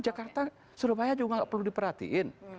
jakarta surabaya juga nggak perlu diperhatiin